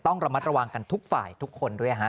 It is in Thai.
ต้องระมัดระวังกันทุกฝ่ายทุกคนด้วยฮะ